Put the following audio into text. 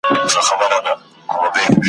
په تیاره کي ټکهار سي پلټن راسي د ښکاریانو ,